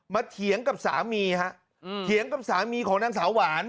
เถียงกับสามีฮะเถียงกับสามีของนางสาวหวาน